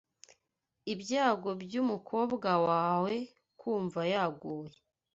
Ibyago byumukobwa wawe kumva yaguye